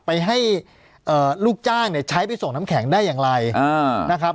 ไปให้ลูกจ้างเนี่ยใช้ไปส่งน้ำแข็งได้อย่างไรนะครับ